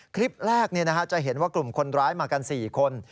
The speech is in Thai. คลิปแรกจะเห็นว่ากลุ่มคนร้ายมากัน๔คน